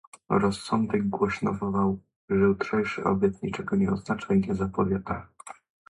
"Rozsądek głośno wołał, że jutrzejszy obiad niczego nie oznacza i nie zapowiada."